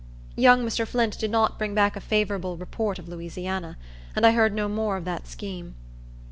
Young Mr. Flint did not bring back a favorable report of Louisiana, and I heard no more of that scheme.